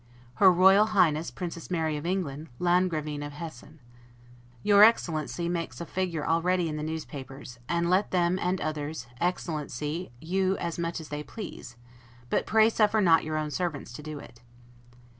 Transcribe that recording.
[Her Royal Highness Princess Mary of England, Landgravine of Hesse.] Your Excellency makes a figure already in the newspapers; and let them, and others, excellency you as much as they please, but pray suffer not your own servants to do it.